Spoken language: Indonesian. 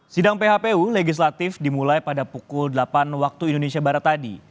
sidang phpu legislatif dimulai pada pukul delapan waktu indonesia barat tadi